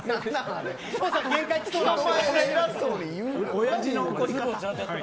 おやじの怒り方。